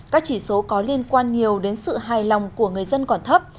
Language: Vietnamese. các chỉ số có liên quan nhiều đến sự hài lòng của người dân còn thấp